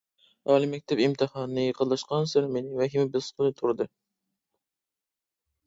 ئالىي مەكتەپ ئىمتىھانى يېقىنلاشقانسېرى مېنى ۋەھىمە باسقىلى تۇردى.